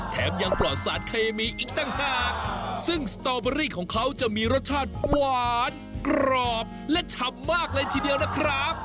แถมยังปลอดสารเคมีอีกต่างหากซึ่งสตอเบอรี่ของเขาจะมีรสชาติหวานกรอบและฉ่ำมากเลยทีเดียวนะครับ